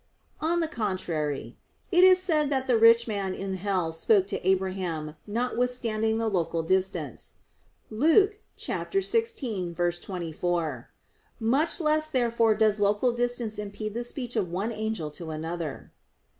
On the contrary, It is said that the rich man in hell spoke to Abraham, notwithstanding the local distance (Luke 16:24). Much less therefore does local distance impede the speech of one angel to another.